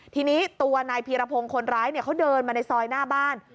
ทีนี้ตัวนายพีรพงศ์คนร้ายเขาเดินมาในซอยหน้าบ้าน